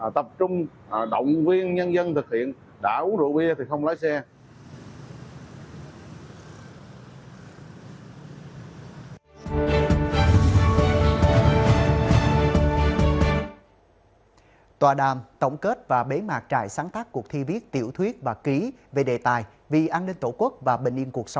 tập trung động viên nhân dân thực hiện đã uống rượu bia thì không lái xe